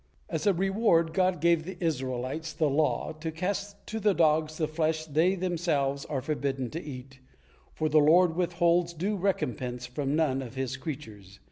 As a reward God gave the Israelites the law, to cast to the dogs the flesh they themselves are forbidden to eat, for the Lord withholds due recompense from none of His creatures.